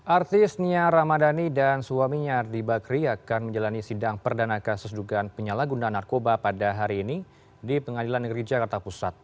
artis nia ramadhani dan suaminya ardi bakri akan menjalani sidang perdana kasus dugaan penyalahgunaan narkoba pada hari ini di pengadilan negeri jakarta pusat